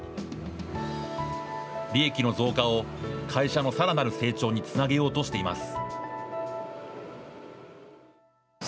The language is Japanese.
利益の増加を、会社のさらなる成長につなげようとしています。